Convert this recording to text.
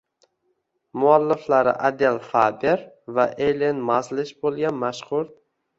Mualliflari Adel Faber va Eylen Mazlish bo‘lgan mashhur